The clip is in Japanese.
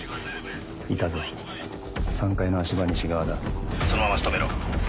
いたぞ３階の足場西側だそのまま仕留めろ。